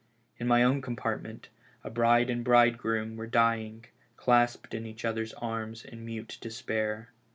In my own com partment a bride and bridegroom were dying, clasped in each other's arms in mute despair.